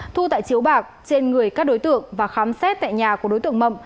thu tại chiếu bạc trên người các đối tượng và khám xét tại nhà của đối tượng mậm